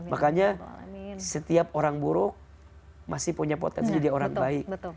makanya setiap orang buruk masih punya potensi jadi orang baik